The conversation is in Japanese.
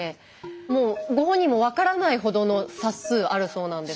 もうご本人も分からないほどの冊数あるそうなんですが。